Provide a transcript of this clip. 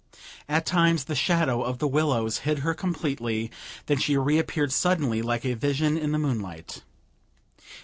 At times the shadow of the willows hid her completely; then she reappeared suddenly, like a vision in the moonlight.